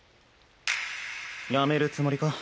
辞めるつもりか？